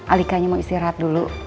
alikanya mau istirahat dulu